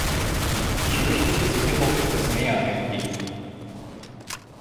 Ich möchte, dass Sie hierauf etwas näher eingehen.